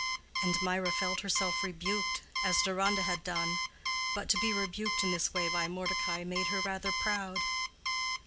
And Mirah felt herself rebuked, as Deronda had done. But to be rebuked in this way by Mordecai made her rather proud.